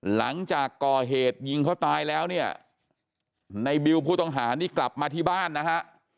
หลังจากก่อเหตุยิงเขาตายแล้วเนี่ยในบิวผู้ต้องหานี่กลับมาที่บ้านนะฮะ